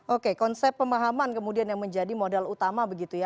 oke konsep pemahaman kemudian yang menjadi modal utama begitu ya